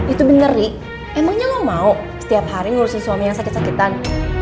itu bener nih emangnya mau setiap hari ngurusin suami yang sakit sakitan